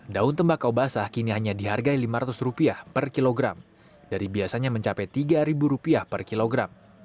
daun tembakau basah kini hanya dihargai lima ratus rupiah per kilogram dari biasanya mencapai tiga rupiah per kilogram